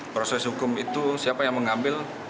proses hukum itu siapa yang mengambil